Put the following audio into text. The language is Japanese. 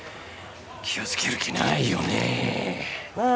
気をつける気ないよねなあ